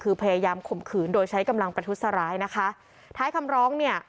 คือพยายามข่มขืนโดยใช้กำลังประทุษร้ายนะคะท้ายคำร้องเนี่ย